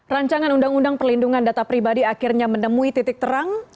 rancangan undang undang perlindungan data pribadi akhirnya menemui titik terang